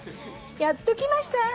やっときました。